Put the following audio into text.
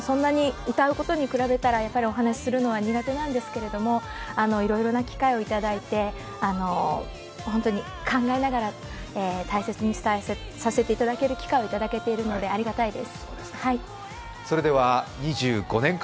歌うことに比べたらやっぱりお話しするのは苦手なんですけれども、いろいろな機会をいただいて、本当に考えながら大切に伝えさせていだたける機会をいただけているのでありがたいです。